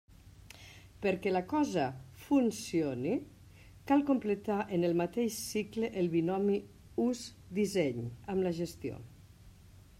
Perquè la cosa «funcione», cal completar en el mateix cicle el binomi ús-disseny amb la gestió.